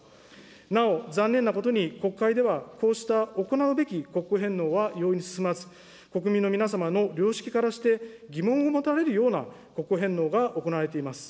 なお、残念なことに国会では、こうした行うべき国庫返納は容易に進まず、国民の皆様の良識からして、疑問を持たれるような国庫返納が行われています。